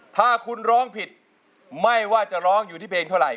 ถ้าคุณร้องผิดไม่ว่าจะร้องอยู่ที่เพลงเท่าไห